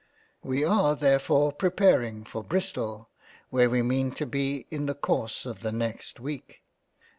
We are therefore preparing for Bristol, where we mean to be in the course of the next week.